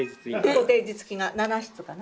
コテージ付きが７室かな。